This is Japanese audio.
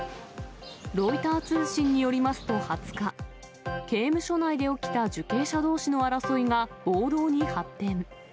ロイター通信によりますと、２０日、刑務所内で起きた受刑者どうしの争いが暴動に発展。